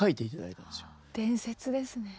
伝説ですね。